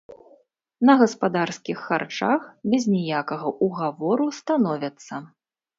На гаспадарскіх харчах без ніякага ўгавору становяцца.